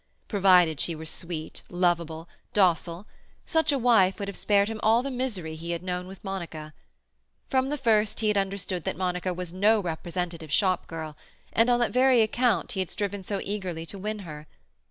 Provided she were sweet, lovable, docile—such a wife would have spared him all the misery he had known with Monica. From the first he had understood that Monica was no representative shop girl, and on that very account he had striven so eagerly to win her.